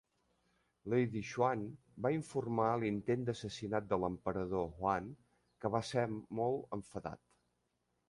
Lady Xuan va informar l'intent d'assassinat de l'Emperador Huan, que va ser molt enfadat.